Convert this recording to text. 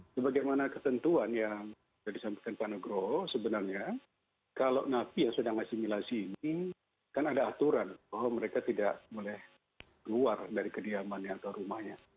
sebagaimana ketentuan yang sudah disampaikan pak nugro sebenarnya kalau napi yang sedang asimilasi ini kan ada aturan bahwa mereka tidak boleh keluar dari kediamannya atau rumahnya